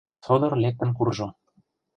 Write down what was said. Содор лектын куржо.